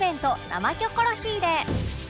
「生キョコロヒー」で